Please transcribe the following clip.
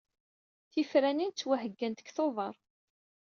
Tifranin ttwaheggant deg Tuber.